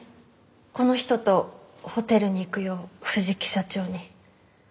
この人とホテルに行くよう藤木社長に。